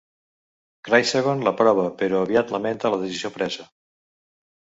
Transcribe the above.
Chrysagon l'aprova, però aviat lamenta la decisió presa.